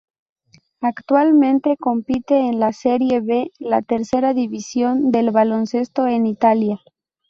Actualmente compite en la Serie B, la tercera división del baloncesto en Italia.